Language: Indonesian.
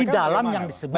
di dalam yang disebut